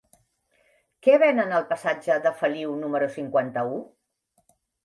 Què venen al passatge de Feliu número cinquanta-u?